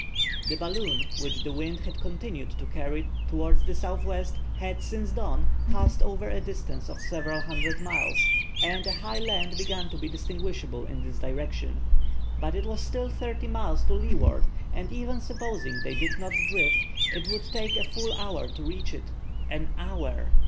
The balloon, which the wind had continued to carry towards the southwest, had since dawn passed over a distance of several hundred miles, and a high land began to be distinguishable in that direction. But it was still thirty miles to leeward, and even supposing they did not drift, it would take a full hour to reach it. An hour!